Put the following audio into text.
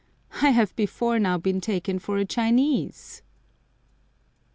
I have before now been taken for a Chinese!